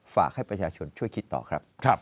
ฝากให้ประชาชนช่วยคิดต่อครับ